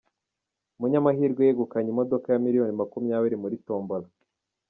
Umunyamahirwe yegukanye imodoka ya miliyoni makumyabiri muri Tombola